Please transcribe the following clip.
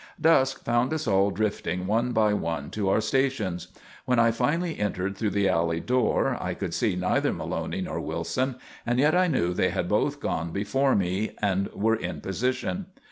Dusk found us all drifting one by one to our stations. When I finally entered through the alley door, I could see neither Maloney nor Wilson, and yet I knew they had both gone before me and were in position.